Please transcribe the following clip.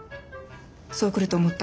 そう来ると思った。